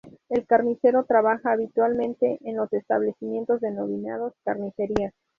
El carnicero trabaja habitualmente en los establecimientos denominados carnicerías.